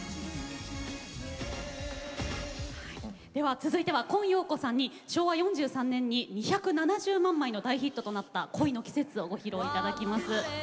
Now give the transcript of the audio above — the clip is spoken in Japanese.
続いては今陽子さんに昭和４３年に２７０万枚の大ヒットとなった「恋の季節」を披露していただきます。